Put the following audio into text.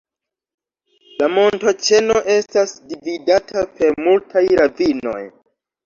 La montoĉeno estas dividata per multaj ravinoj.